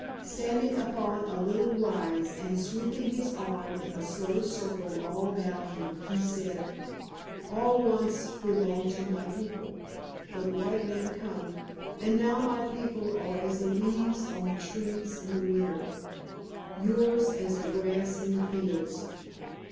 Standing upon a little rise and sweeping his arm in a slow circle all about him he said, "All once belong to my people. But white man come, and now my people are as the leaves on the trees in the winter, yours as the grass in the fields.